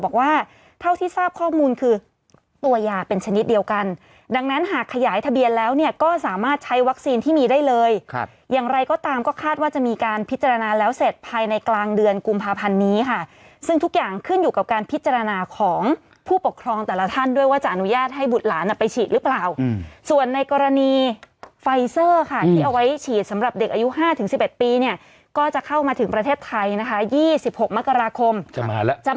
เครื่องสำอางอือหือของกินเพราะเรายังขออนุญาตเลยอ่า